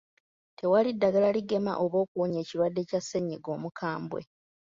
Tewali ddagala ligema oba okuwonya ekirwadde kya ssennyiga omukambwe.